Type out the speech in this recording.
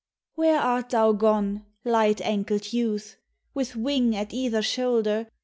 Where art thou gone, light ankled Youth ? With wing at cither shoulder.